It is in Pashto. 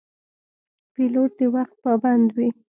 پیلوټ د وخت پابند وي.